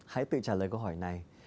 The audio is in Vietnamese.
hãy tự trả lời câu hỏi này